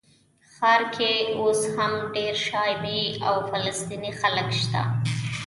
ښار کې اوس هم ډېر شامي او فلسطیني خلک شته.